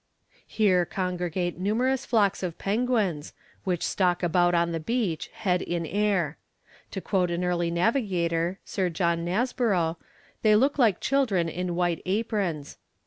Here congregate numerous flocks of penguins, which stalk about on the beach, head in air. To quote an early navigator, Sir John Nasborough, they look like children in white aprons.